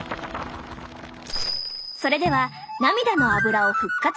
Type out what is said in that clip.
それでは涙のアブラを復活させる